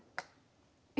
え？